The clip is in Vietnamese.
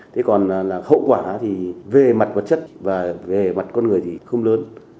thế còn là hậu quả thì về mặt vật chất và về mặt con người thì không lớn